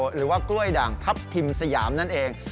หรือว่ากล้วยด่างทัพทิมสยามนั่นเอง